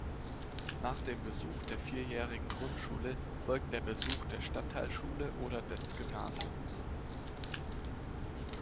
Nach dem Besuch der vierjährigen Grundschule folgt der Besuch der Stadtteilschule oder des Gymnasiums.